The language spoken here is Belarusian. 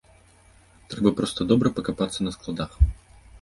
Трэба проста добра пакапацца на складах.